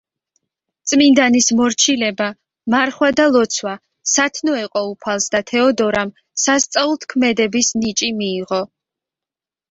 წმინდანის მორჩილება, მარხვა და ლოცვა სათნო ეყო უფალს და თეოდორამ სასწაულთქმედების ნიჭი მიიღო.